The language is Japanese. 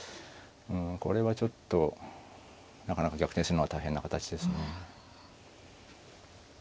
これはちょっとなかなか逆転するのは大変な形ですね。